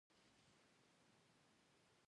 د سکېر د زخم درملنه ده.